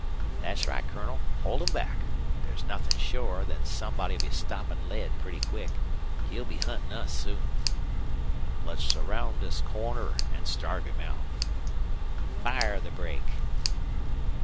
"Thet's right, Colonel. Hold 'em back. There's nothin' shorer than somebody'll be stoppin' lead pretty quick. He'll be huntin' us soon!" "Let's surround this corner an' starve him out." "Fire the brake."